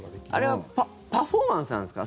あれはパフォーマンスなんですか？